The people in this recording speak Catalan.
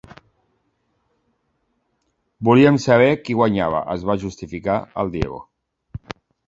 Volíem saber qui guanyava —es va justificar el Diego—.